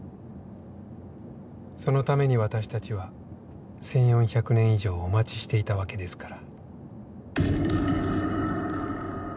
そのために私たちは１４００年以上お待ちしていたわけですから。